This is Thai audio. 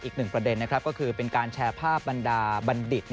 อีกหนึ่งประเด็นนะครับก็คือเป็นการแชร์ภาพบรรดาบัณฑิต